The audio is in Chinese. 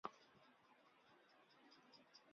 真的不知道该怎么办